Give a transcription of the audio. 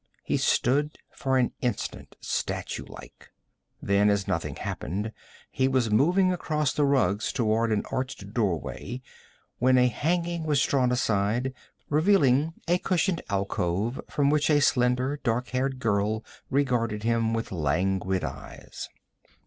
He stood for an instant statue like; then as nothing happened he was moving across the rugs toward an arched doorway when a hanging was drawn aside, revealing a cushioned alcove from which a slender, dark haired girl regarded him with languid eyes.